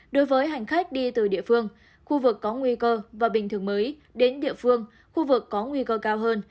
đối với hành khách đi từ địa phương khu vực có nguy cơ và bình thường mới đến địa phương khu vực có nguy cơ cao hơn